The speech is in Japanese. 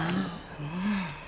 うん。